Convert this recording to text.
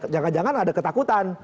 jangan jangan ada ketakutan